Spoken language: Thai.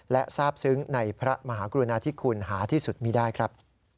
และทราบซึ้งในพระมหากรุณาธิคุณหาที่สุดมีได้ครับ